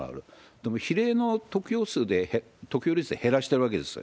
でも、比例の得票率で減らしてるわけですよ。